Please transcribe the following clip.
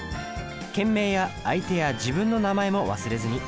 件名や相手や自分の名前も忘れずに。